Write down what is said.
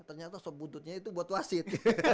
ternyata sob buntutnya itu buat wasit